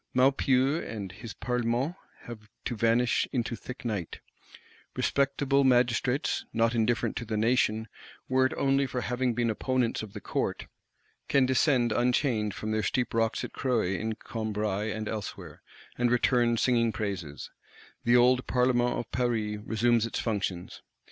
Maupeou and his Parlement have to vanish into thick night; respectable Magistrates, not indifferent to the Nation, were it only for having been opponents of the Court, can descend unchained from their "steep rocks at Croe in Combrailles" and elsewhere, and return singing praises: the old Parlement of Paris resumes its functions.